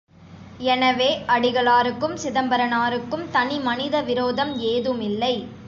எனவே, அடிகளாருக்கும் சிதம்பரனாருக்கும் தனிமனித விரோதம் ஏதுமில்லை.